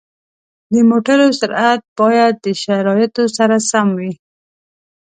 د موټرو سرعت باید د شرایطو سره سم وي.